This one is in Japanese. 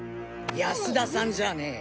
安田さんじゃねえ。